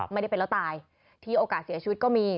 ไม่ได้เป็นแล้วตายที่โอกาสเสียชีวิตก็มี